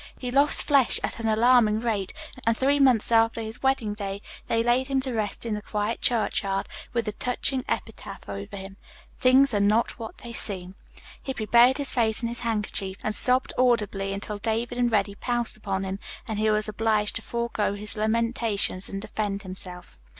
He lost flesh at an alarming rate, and three months after his wedding day they laid him to rest in the quiet churchyard, with the touching epitaph over him, 'Things are not what they seem.'" Hippy buried his face in his handkerchief and sobbed audibly until David and Reddy pounced upon him and he was obliged to forego his lamentations and defend himself.